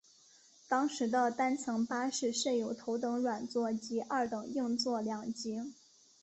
当时的单层巴士设有头等软座及二等硬座两级。